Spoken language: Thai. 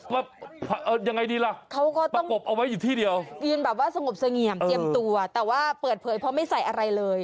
ว่ายังไงดีล่ะเขาก็ประกบเอาไว้อยู่ที่เดียวยืนแบบว่าสงบเสงี่ยมเจียมตัวแต่ว่าเปิดเผยเพราะไม่ใส่อะไรเลย